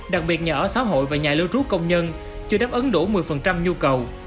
đặc biệt nhà ở xã hội và nhà lưu trú công nhân chưa đáp ứng đủ một mươi nhu cầu